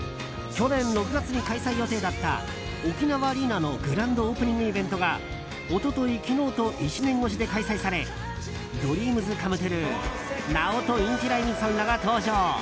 去年６月に開催予定だった沖縄アリーナのグランドオープニングイベントが一昨日、昨日と１年越しで開催されＤＲＥＡＭＳＣＯＭＥＴＲＵＥナオト・インティライミさんらが登場。